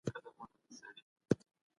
که توان نلرئ پور مه اخلئ.